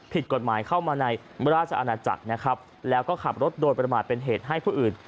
ผิดกฎหมายเข้ามาในราชอาณาจักรนะครับแล้วก็ขับรถโดยประมาทเป็นเหตุให้ผู้อื่น